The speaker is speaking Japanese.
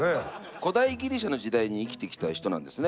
古代ギリシャの時代に生きた人なんですね。